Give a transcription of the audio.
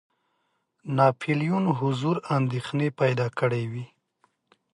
ناپولیون حضور اندېښنې پیدا کړي وې.